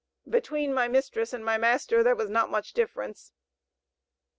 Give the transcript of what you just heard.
"Between my mistress and my master there was not much difference."